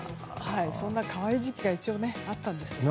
そんな可愛い時期が一応あったんですよね。